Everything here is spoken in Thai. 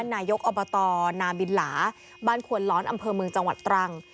นายกอบตนาบินหลาบ้านควนร้อนอำเภอเมืองจังหวัดตรัง